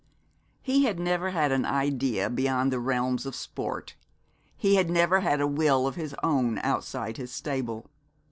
He had never had an idea beyond the realms of sport; he had never had a will of his own outside his stable.